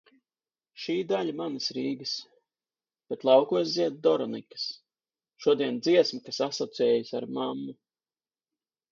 Šī daļa manas Rīgas. Bet laukos zied doronikas. Šodien dziesma, kas asociējas ar mammu.